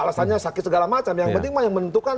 alasannya sakit segala macam yang penting mah yang menentukan